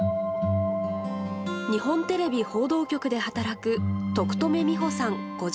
日本テレビ報道局で働く徳留美保さん